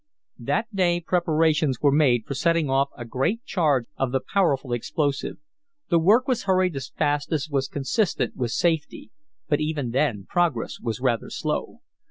That day preparations were made for setting off a great charge of the powerful explosive. The work was hurried as fast as was consistent with safety, but even then progress was rather slow.